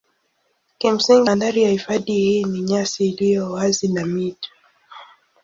Kimsingi mandhari ya hifadhi hii ni nyasi iliyo wazi na mito.